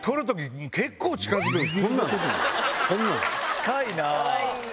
近いなぁ。